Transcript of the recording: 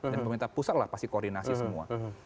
dan pemerintah pusat lah pasti koordinasi semua